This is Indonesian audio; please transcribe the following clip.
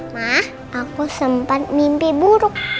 mah aku sempat mimpi buruk